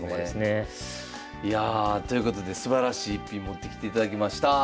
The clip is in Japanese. いやあということですばらしい逸品持ってきていただきました。